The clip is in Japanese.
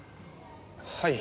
はい。